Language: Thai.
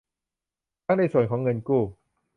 ทั้งในส่วนของเงินกู้